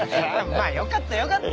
まあよかったよかった。